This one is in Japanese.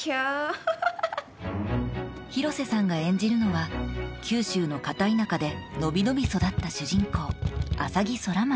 はははは広瀬さんが演じるのは九州の片田舎でのびのび育った主人公